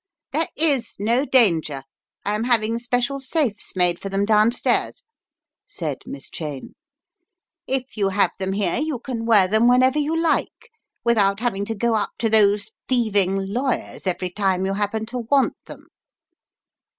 "There is no danger. I am having special safes made for them downstairs," said Miss Cheyne. "If you have them here you can wear them whenever you like without having to go up to those thieving lawyers every time you happen to want them."